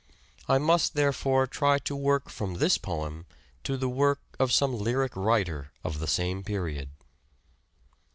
I must, there fore, try to work from this poem, to the work of some lyric writer of the same period.